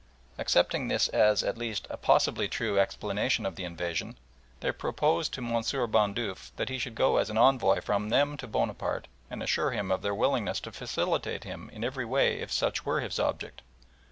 Accepting this as, at least, a possibly true explanation of the invasion, they proposed to Monsieur Bandeuf that he should go as an envoy from them to Bonaparte, and assure him of their willingness to facilitate him in every way if such were his object.